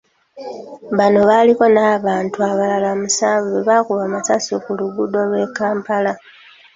Bano baliko n’abantu abalala musanvu be baakuba amasasi ku luguudo lw'e Kampala.